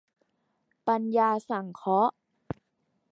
ปัญญาสังเคราะห์